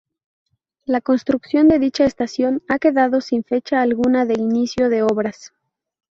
La construcción de dicha estación ha quedado sin fecha alguna de inicio de obras.